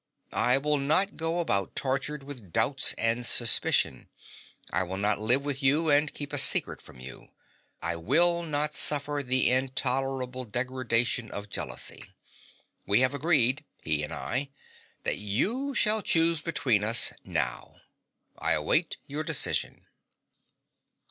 I will not go about tortured with doubts and suspicions. I will not live with you and keep a secret from you. I will not suffer the intolerable degradation of jealousy. We have agreed he and I that you shall choose between us now. I await your decision.